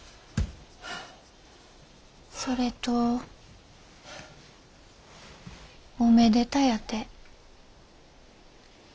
それとおめでたやて。